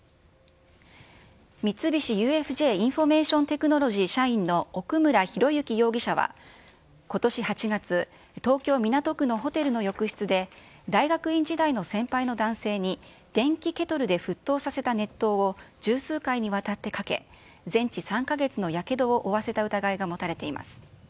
三菱ＵＦＪインフォメーションテクノロジー社員の奥村ひろゆき容疑者は、ことし８月、東京・港区のホテルの浴室で、大学院時代の先輩の男性に、電気ケトルで沸騰させた熱湯を十数回にわたってかけ、全治３か月のやけどを負わせた疑いが持たれています。